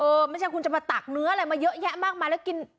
ไม่ใช่คุณจะมาตักเนื้ออะไรมาเยอะแยะมากมายแล้วกิน